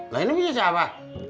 lainnya punya siapa